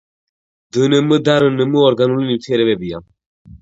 დნმ და რნმ ორგანული ნივთიერებებია